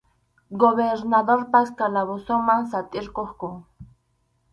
Gobernadorpa calabozonman satʼirquqku.